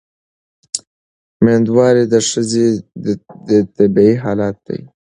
مېندواري د ښځې طبیعي حالت دی.